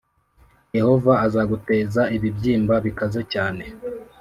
“Yehova azaguteza ibibyimba bikaze cyane